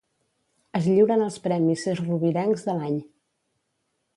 Es lliuren els Premis Sesrovirencs de l'any.